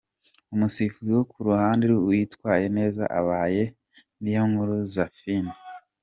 Umusifuzi wo ku ruhande witwaye neza abaye Niyonkuru Zephanie.